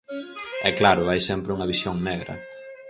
E claro, hai sempre unha visión negra.